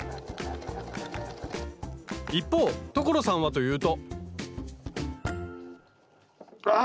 一方所さんはというとあ！